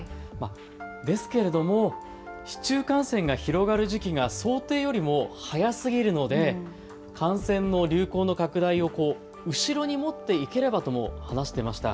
ですけれども市中感染が広がる時期が想定よりも早すぎるので感染の流行の拡大を後ろに持っていければとも話してました。